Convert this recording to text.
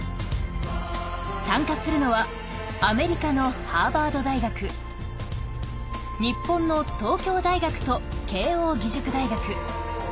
参加するのはアメリカのハーバード大学日本の東京大学と慶應義塾大学。